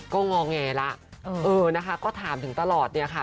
ก็งอแงแล้วเออนะคะก็ถามถึงตลอดเนี่ยค่ะ